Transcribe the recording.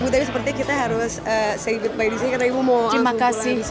tapi sepertinya kita harus say goodbye disini karena ibu mau aku pulang disini